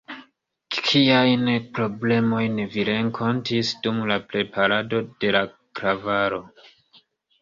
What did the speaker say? Kiajn problemojn vi renkontis dum la preparado de la klavaro?